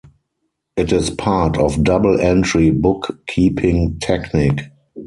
It is part of double-entry book-keeping technique.